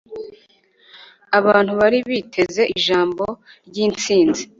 Abantu bari biteze ijambo ryintsinzi.